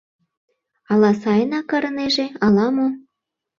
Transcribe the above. Ала сайынак ырынеже, ала-мо.